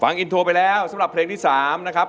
ฟังอินโทรไปแล้วสำหรับเพลงที่๓นะครับ